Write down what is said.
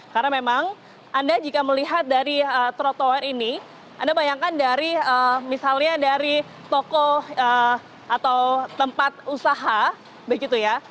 karena memang anda jika melihat dari trotoar ini anda bayangkan dari misalnya dari toko atau tempat usaha begitu ya